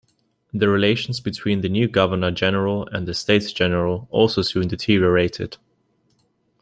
The relations between the new governor-general and the States General also soon deteriorated.